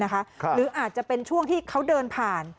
หรืออาจจะเป็นช่วงที่เขาเดินผ่าน